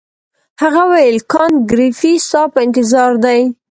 هغه وویل کانت ګریفي ستا په انتظار دی.